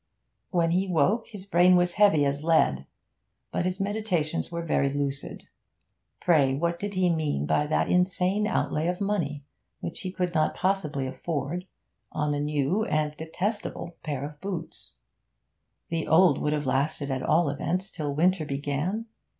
When he woke his brain was heavy as lead; but his meditations were very lucid. Pray, what did he mean by that insane outlay of money, which he could not possibly afford, on a new (and detestable) pair of boots? The old would have lasted, at all events, till winter began.